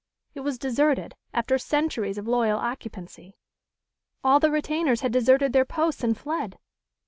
It was deserted, after centuries of loyal occupancy. All the retainers had deserted their posts and fled.